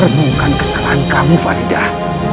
renungkan kesalahan kamu faridah